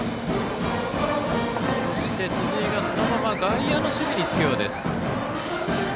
そして辻井がそのまま外野の守備につくようです。